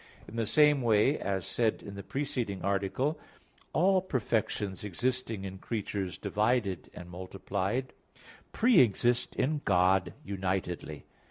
In the same way, as said in the preceding article, all perfections existing in creatures divided and multiplied, pre exist in God unitedly.